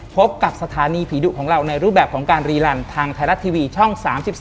พบกับสถานีผีดุของเราในรูปแบบของการรีลันทางไทยรัฐทีวีช่อง๓๒